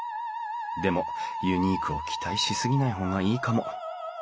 でもユニークを期待し過ぎない方がいいかも。